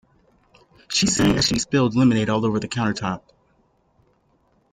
She sang as she spilled lemonade all over the countertop.